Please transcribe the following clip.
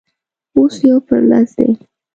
اوس يو پر لس دی.